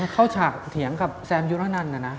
เข้าฉากเถียงกับแซมยุรนันด์อะนะ